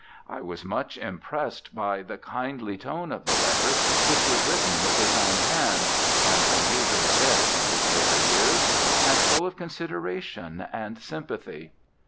I was much impressed by the kindly tone of the letter, which was written with his own hand (an unusual event in his later years), and full of con sideration and sympathy.